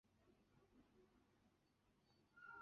拉兹奎耶。